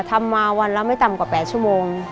ทำมาวันละไม่ต่ำกว่า๘ชั่วโมง